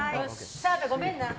澤部、ごめんな。